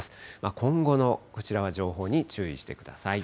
今後のこちらは情報に注意してください。